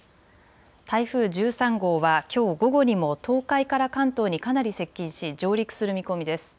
台風１３号はきょう午後にも東海から関東にかなり接近し上陸する見込みです。